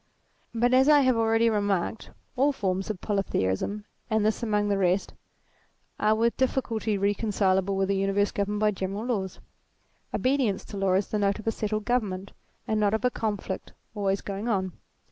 But, as I have already remarked, all forms of polytheism, and this among the rest, are with difficulty recon cileable with an universe governed by general laws. Obedience to law is the note of a settled government, and not of a conflict always going on.